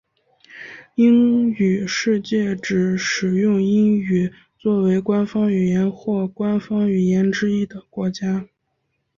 英语世界指使用英语作为官方语言或官方语言之一的国家。